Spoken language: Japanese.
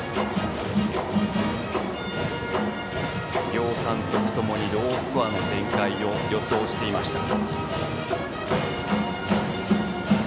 両監督ともにロースコアの展開を予想していました。